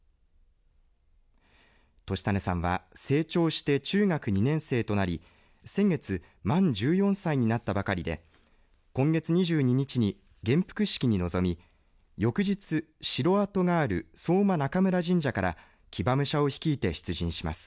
言胤さんは成長して中学２年生となり先月３４歳になったばかりで今月２２日に元服式に臨み翌日、城跡がある相馬中村神社から騎馬武者を率いて出陣します。